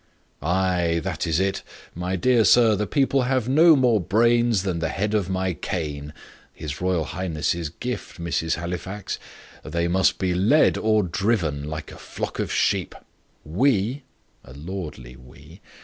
"Ay, that is it. My dear sir, the people have no more brains than the head of my cane (his Royal Highness's gift, Mrs. Halifax); they must be led or driven, like a flock of sheep. We" a lordly "we!"